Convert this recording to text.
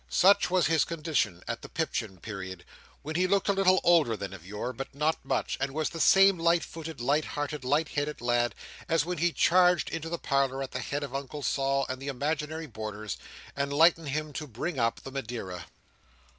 Such was his condition at the Pipchin period, when he looked a little older than of yore, but not much; and was the same light footed, light hearted, light headed lad, as when he charged into the parlour at the head of Uncle Sol and the imaginary boarders, and lighted him to bring up the Madeira.